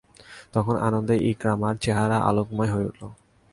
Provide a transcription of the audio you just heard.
তখন আনন্দে ইকরামার চেহারা আলোকময় হয়ে উঠল।